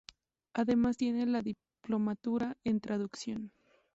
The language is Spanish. Además tiene la diplomatura en traducción.